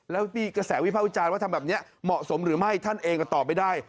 แล้วมีกระแสวิภาควิจารณ์ว่าทำแบบนี้เหมาะสมหรือไม่ท่านเองก็ตอบไม่ได้